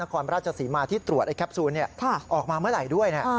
นครราชสีมาที่ตรวจแคปซูลนี้ออกมาเมื่อไหร่ด้วย